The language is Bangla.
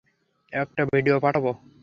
একটা ভিডিও পাঠাব।